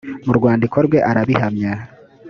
mu rwandiko rwe arabihamya